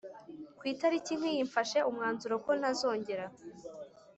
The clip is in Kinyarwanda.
kwitariki nkiyi mfashe umwanzuro ko ntazongera